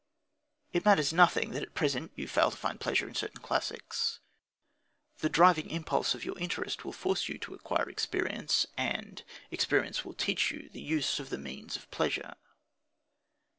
It matters nothing that at present you fail to find pleasure in certain classics. The driving impulse of your interest will force you to acquire experience, and experience will teach you the use of the means of pleasure.